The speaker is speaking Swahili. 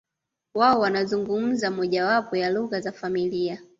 Wao wanazungumza mojawapo ya lugha za familia